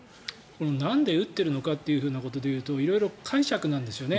なんで撃っているかということでいうと色々解釈なんですよね。